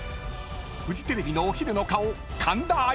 ［フジテレビのお昼の顔神田愛花］